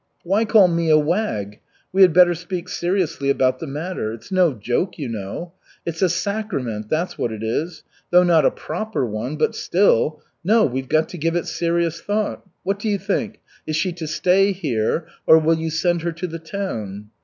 "Why call me a wag? We had better speak seriously about the matter. It's no joke, you know. It's a 'sacrament,' that's what it is. Though not a proper one but still No, we've got to give it serious thought. What do you think; is she to stay here, or will you send her to the town?"